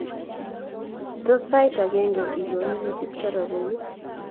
Tos, sait age igoni notupche robinik?